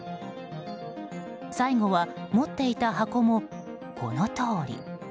最後は、持っていた箱もこのとおり。